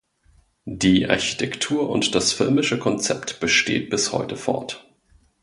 Die Architektur und das filmische Konzept besteht bis heute fort.